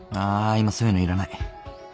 今そういうのいらない